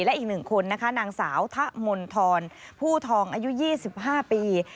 และอีกหนึ่งคนนะคะนางสาวทะมนธรผู้ทองอายุ๒๕ปี